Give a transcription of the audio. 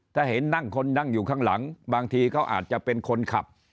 ถ้าเห็นนั่งคนนั่งอยู่ข้างหลังบางทีเขาอาจจะเป็นคนขับ